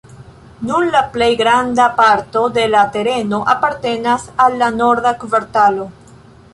Nun la plej granda parto de la tereno apartenas al la Norda Kvartalo.